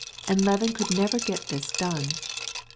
And yet Levin could never get this done.